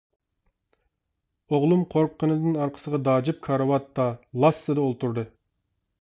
ئوغلۇم قورققىنىدىن ئارقىسىغا داجىپ كارىۋاتقا لاسسىدە ئولتۇردى.